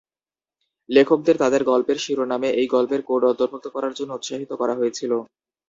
লেখকদের তাদের গল্পের শিরোনামে এই গল্পের কোড অন্তর্ভুক্ত করার জন্য উৎসাহিত করা হয়েছিল।